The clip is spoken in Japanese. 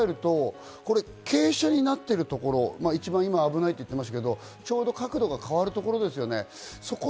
その状況を考えると傾斜になっているところ、一番危ないと言っていましたが、角度が変わるところですよね。